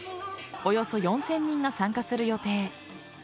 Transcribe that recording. およそ４０００人が参加する予定。